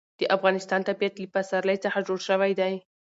د افغانستان طبیعت له پسرلی څخه جوړ شوی دی.